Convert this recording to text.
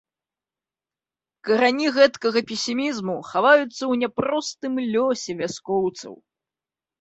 Карані гэткага песімізму хаваюцца ў няпростым лёсе вяскоўцаў.